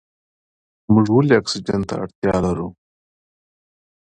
موږ ولې اکسیجن ته اړتیا لرو؟